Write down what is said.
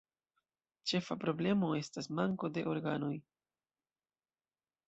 Ĉefa problemo estas manko de organoj.